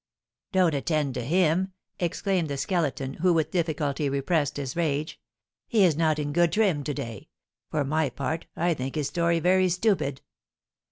"Don't attend to him," exclaimed the Skeleton, who with difficulty repressed his rage; "he is not in good trim to day; for my part I think his story very stupid."